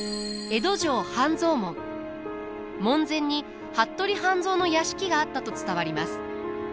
門前に服部半蔵の屋敷があったと伝わります。